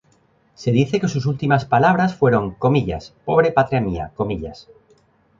Se dice que sus últimas palabras fueron: ""Pobre patria mía"".